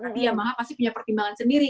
tapi yamaha pasti punya pertimbangan sendiri